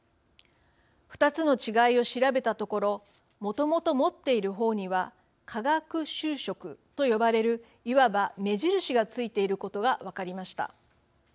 ２つの違いを調べたところもともと持っている方には化学修飾と呼ばれるいわば目印が付いていることが分かりました。